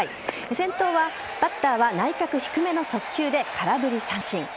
先頭バッターは内角低めの速球で空振り三振。